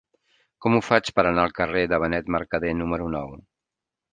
Com ho faig per anar al carrer de Benet Mercadé número nou?